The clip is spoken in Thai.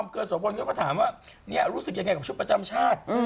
ก็ถามว่ารู้สึกยังไงของชุดประจำชาติ